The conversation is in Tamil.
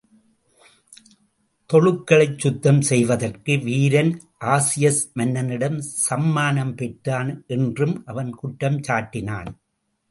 தொழுக்களைச் சுத்தம் செய்ததற்கு, வீரன் ஆஜியஸ் மன்னனிடம் சம்மானம் பெற்றான் என்றும் அவன் குற்றம் சாட்டினான்.